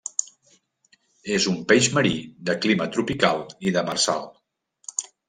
És un peix marí de clima tropical i demersal.